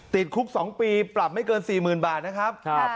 ติดคุก๒ปีปรับไม่เกิน๔๐๐๐บาทนะครับ